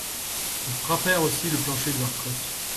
Ils frappèrent aussi le plancher de leurs crosses.